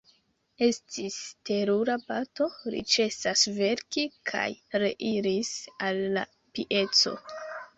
Estis terura bato: li ĉesas verki kaj reiris al la pieco.